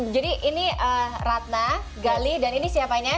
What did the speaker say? jadi ini ratna galih dan ini siapanya